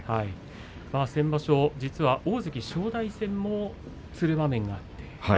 先場所、実は大関正代戦もつる場面がありました。